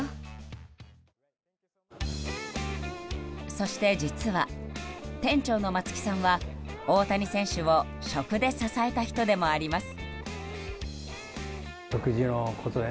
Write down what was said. そして、実は店長の松木さんは大谷選手を食で支えた人でもあります。